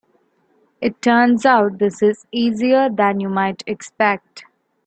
It turns out this is easier than you might expect.